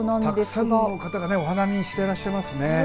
たくさんの方がお花見していらっしゃいますね。